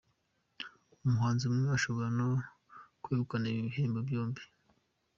Umuhanzi umwe ashobora no kwegukana ibi bihembo byombi.